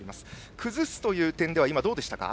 崩すという点では今、どうでしたか。